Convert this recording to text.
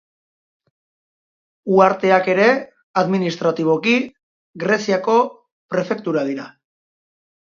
Uharteak ere, administratiboki, Greziako prefektura da.